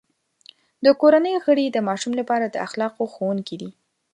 د کورنۍ غړي د ماشوم لپاره د اخلاقو ښوونکي دي.